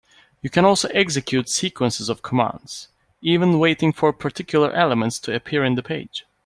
You can also execute sequences of commands, even waiting for particular elements to appear in the page.